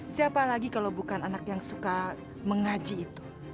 siapa lagi kalau bukan anak yang suka mengaji itu